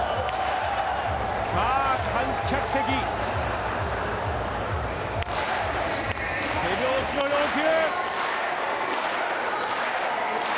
さあ、観客席、手拍子を要求。